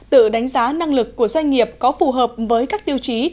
tự đánh giá năng lực của doanh nghiệp có phù hợp với các tiêu chí